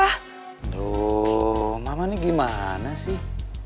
aduh mama ini gimana sih